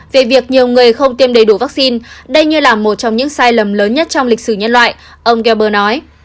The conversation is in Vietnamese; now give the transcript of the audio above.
về việc nhiều người không tiêm đầy đủ vaccine đây như là một trong những sai lầm lớn nhất trong lịch sử nhân loại ông galber nói